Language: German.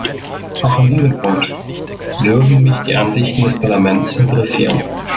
Auch in diesem Punkt würden mich die Ansichten des Parlaments interessieren.